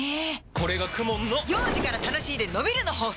これがＫＵＭＯＮの幼児から楽しいでのびるの法則！